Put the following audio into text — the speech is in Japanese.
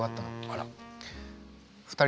あら。